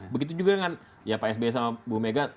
begitu juga dengan ya pak sby sama bu mega